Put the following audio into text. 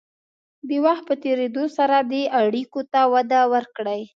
د وخت په تېرېدو سره دې اړیکو ته وده ورکړئ.